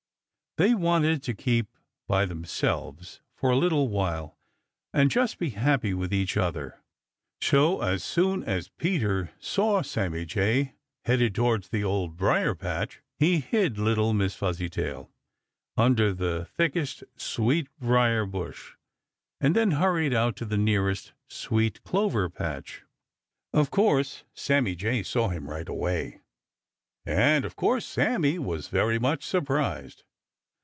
They wanted to keep by themselves for a little while and just be happy with each other. So as soon as Peter saw Sammy Jay headed towards the Old Briar patch, he hid little Miss Fuzzytail under the thickest sweet briar bush, and then hurried out to the nearest sweet clover patch. Of course Sammy Jay saw him right away, and of course Sammy was very much surprised.